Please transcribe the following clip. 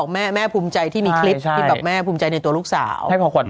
แม่มีคลิปที่แม่ภูมิใจในตัวลูกสาว